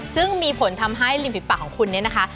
ซึ่งมีผลทำให้ริมฝีปากของคุณเนี่ยนะคะ